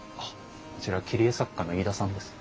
こちら切り絵作家の飯田さんです。